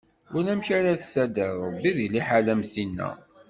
Ulamek ara d-tader Ṛebbi di liḥala am tinna.